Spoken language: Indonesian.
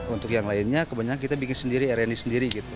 untuk yang lainnya kebanyakan kita bikin sendiri rni sendiri gitu